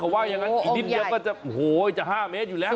โอ้โหอีกนิดเดียวก็จะ๕เมตรอยู่แล้ว